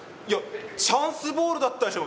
チャンスボールだったでしょ！